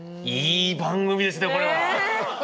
いい番組ですねこれは。